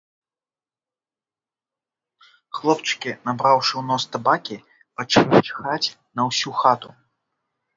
Хлопчыкі набраўшы ў нос табакі, пачалі чхаць на ўсю хату.